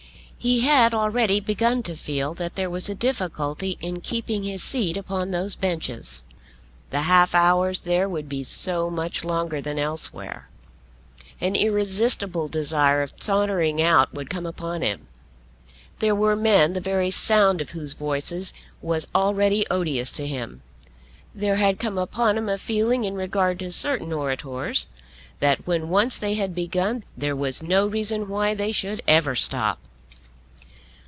He had already begun to feel that there was a difficulty in keeping his seat upon those benches. The half hours there would be so much longer than elsewhere! An irresistible desire of sauntering out would come upon him. There were men the very sound of whose voices was already odious to him. There had come upon him a feeling in regard to certain orators, that when once they had begun there was no reason why they should ever stop.